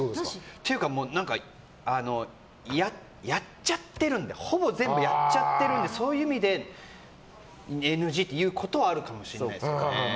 っていうかほぼ全部やっちゃってるのでそういう意味でＮＧっていうことはあるかもしれないですね。